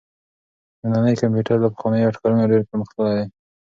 نننی کمپيوټر له پخوانيو اټکلونو ډېر پرمختللی دی.